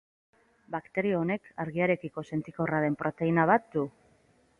Bakterio honek argiarekiko sentikorra den proteina bat du.